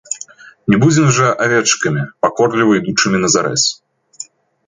Не будзем жа авечкамі, пакорліва ідучымі на зарэз!